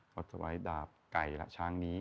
ขอถวายดาบไก่นี้ของนี้